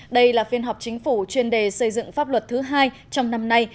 đây là phiên họp chính phủ chuyên đề xây dựng pháp luật thứ hai trong năm nay